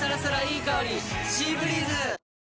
いい香り「シーブリーズ」！